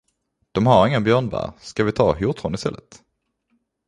De har inga björnbär, ska vi ta hjortron istället?